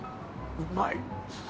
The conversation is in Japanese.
うまい！